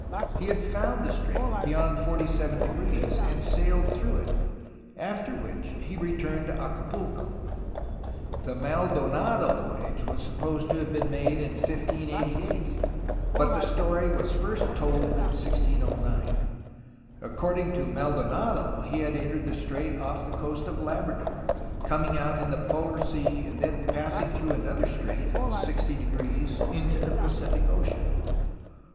He had found the strait beyond 47°, and sailed through it, after which he re turned to Acapulco. The Maldonado voyage was supposed to have been made in 1588, but the story was first told in 1609. According to Maldonado he had entered the strait off the coast of Labrador, coming out into the Polar Sea and then passing through another strait in 60° into the Pacific Ocean.